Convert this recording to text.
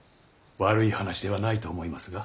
悪い話ではないと思いますが。